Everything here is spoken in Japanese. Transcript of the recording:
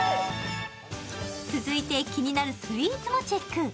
続いて気になるスイーツもチェック。